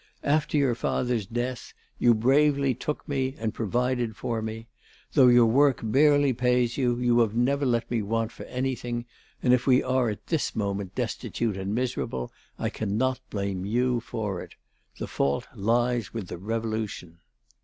After your father's death, you bravely took me and provided for me; though your work barely pays you, you have never let me want for anything, and if we are at this moment destitute and miserable, I cannot blame you for it. The fault lies with the Revolution."